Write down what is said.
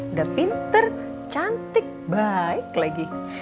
udah pinter cantik baik lagi